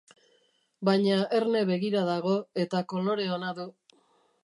Baina erne begira dago, eta kolore ona du.